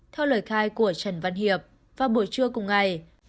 theo lời khai của trần văn hiệp vào buổi trưa cùng ngày